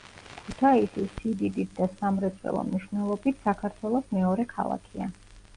ქუთაისი სიდიდით და სამრეწველო მნიშვნელობით საქართველოს მეორე ქალაქია.